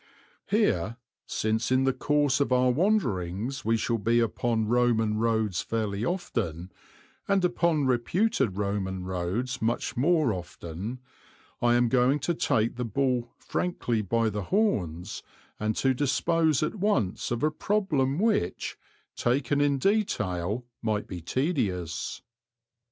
Here, since in the course of our wanderings we shall be upon Roman roads fairly often, and upon reputed Roman roads much more often, I am going to take the bull frankly by the horns and to dispose at once of a problem which, taken in detail, might be tedious.